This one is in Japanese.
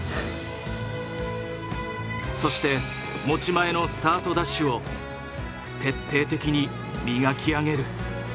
そして持ち前のスタートダッシュを徹底的に磨き上げる。